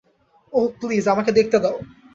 ওহ, please, আমাকে দেখতে দাও।